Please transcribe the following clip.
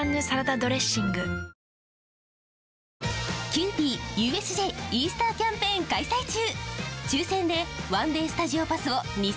キユーピーＵＳＪイースターキャンペーン開催中！